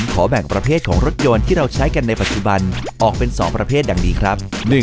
สองประเภทอย่างนี้ครับ